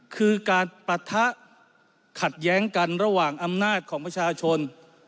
คือการปะทะขัดแย้งกันระหว่างอำนาจของประชาชน